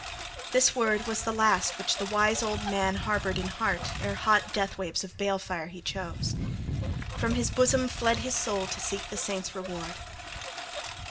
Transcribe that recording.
This word was the last which the wise old man harbored in heart ere hot death waves of balefire he chose. From his bosom fled his soul to seek the saints' reward.